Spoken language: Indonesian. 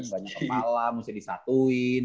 banyak kepala mesti disatuin